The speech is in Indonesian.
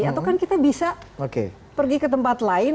atau kan kita bisa pergi ke tempat lain